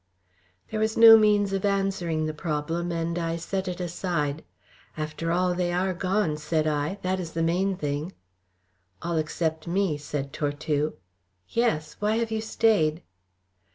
There was no means of answering the problem, and I set it aside. "After all, they are gone," said I. "That is the main thing." "All except me," said Tortue. "Yes. Why have you stayed?"